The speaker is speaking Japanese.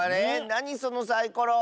なにそのサイコロ？